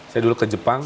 saya dulu ke jepang